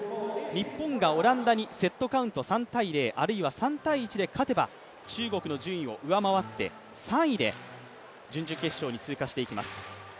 日本がオランダにセットカウント３−０。あるいは３−１で勝てば中国の順位を上回って３位で準々決勝に通過していきます。